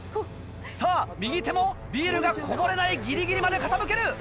さぁ右手もビールがこぼれないギリギリまで傾ける！